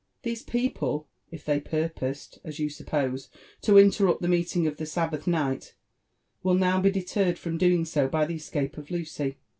These people, if they purposed, as you suppose, to interrupt the meeting of the Sabbath night, will now be deterred from doing so by the escape of Lucy.